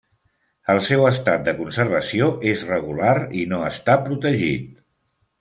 El seu estat de conservació és regular i no està protegit.